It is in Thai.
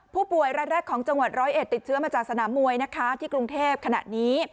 ผู้ป่วยรายแรกของจังหวัดร้อยเอ็ดติดเชื้อมาจากสนามมวยนะคะที่กรุงเทพขณะนี้